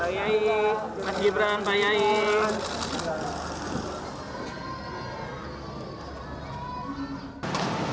pak yai mas gibran pak yai